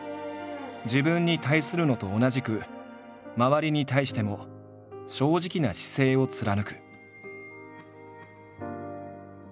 自分に対するのと同じく周りに対しても正直な姿勢を貫く。